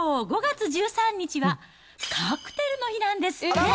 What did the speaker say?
きょう５月１３日はカクテルの日なんですって。